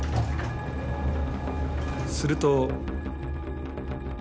すると。